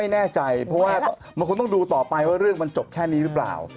แน่ใจเพราะว่ามันคงต้องดูต่อไปว่าเรื่องมันจบแค่นี้หรือเปล่า